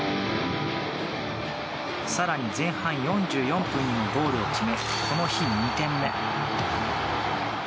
更に前半４４分にもゴールを決め、この日２点目。